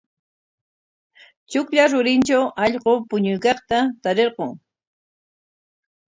Chuklla rurintraw allqu puñuykaqta tarirqun.